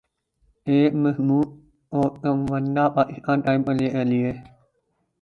ایک مضبوط و توانا پاکستان قائم کرنے کے لئیے ۔